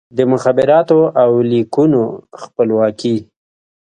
د مخابراتو او لیکونو خپلواکي